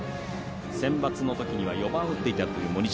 センバツのときには４番を打っていた森下。